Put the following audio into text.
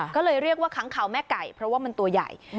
ก็เลยเรียกว่าค้างคาวแม่ไก่เพราะว่ามันตัวใหญ่